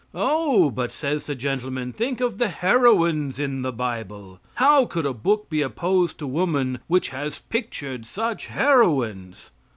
Oh! but, says the gentleman, think of the heroines in the bible. How could a book be opposed to woman which has pictured such heroines?